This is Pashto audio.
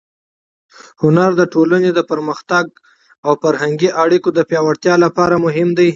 هنر د ټولنې د پرمختګ او فرهنګي اړیکو د پیاوړتیا لپاره مهم دی.